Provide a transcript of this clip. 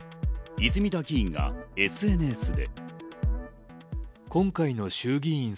泉田議員がＳＮＳで。